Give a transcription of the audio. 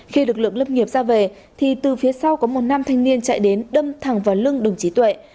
khi lực lượng lâm nghiệp ra về thì từ phía sau có một nam thanh niên chạy đến đâm thẳng vào lưng đồng chí tuệ